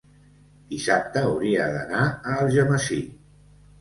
Dissabte hauria d'anar a Algemesí.